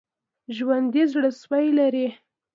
ژوندي زړسوي لري